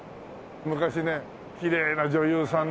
昔ねきれいな女優さんで。